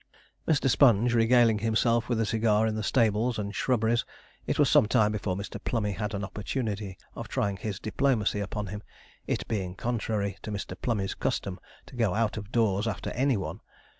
Mr. Sponge regaling himself with a cigar in the stables and shrubberies, it was some time before Mr. Plummey had an opportunity of trying his diplomacy upon him, it being contrary to Mr. Plummey's custom to go out of doors after any one.